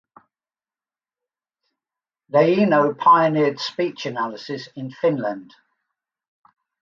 Leino pioneered speech analysis in Finland.